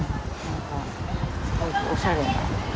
おしゃれ。